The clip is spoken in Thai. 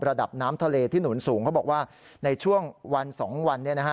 ระดับน้ำทะเลที่หนุนสูงเขาบอกว่าในช่วงวัน๒วัน